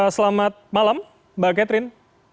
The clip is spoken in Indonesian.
selamat malam mbak catherine